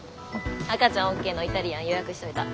赤ちゃんＯＫのイタリアン予約しといた。